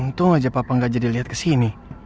untung aja papa nggak jadi lihat kesini